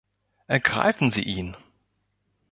Ergreifen Sie ihn!